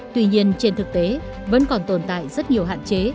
tuy nhiên trên thực tế vẫn còn tồn tại rất nhiều hạn chế